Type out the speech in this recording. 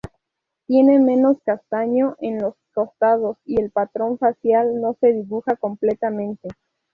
Tiene menos castaño en los costados y el patrón facial no se dibuja completamente.